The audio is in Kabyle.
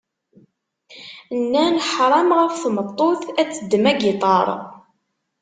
Nnan ḥṛam ɣef tmeṭṭut ad teddem agiṭar.